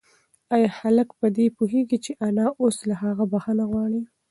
ایا هلک په دې پوهېږي چې انا اوس له هغه بښنه غواړي؟